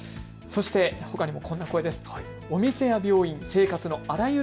ほかにもこんな声です。